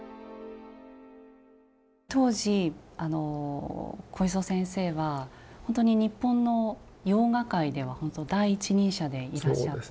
当時小磯先生はほんとに日本の洋画界ではほんと第一人者でいらっしゃって。